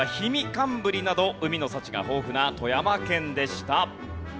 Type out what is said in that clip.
寒ぶりなど海の幸が豊富な富山県でした。